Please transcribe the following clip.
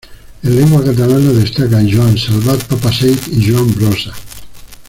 En lengua catalana, destacan Joan Salvat-Papasseit y Joan Brossa.